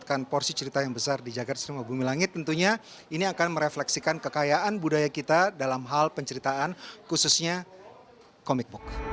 jika kita membuatkan porsi cerita yang besar di jagad cinema bumi langit tentunya ini akan merefleksikan kekayaan budaya kita dalam hal penceritaan khususnya comic book